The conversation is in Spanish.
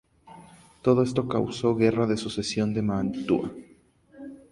Todo esto causó Guerra de Sucesión de Mantua.